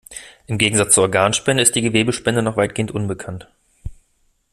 Im Gegensatz zur Organspende ist die Gewebespende noch weitgehend unbekannt.